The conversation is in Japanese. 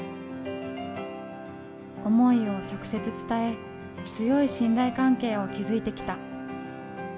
思いを直接伝え強い信頼関係を築いてきた。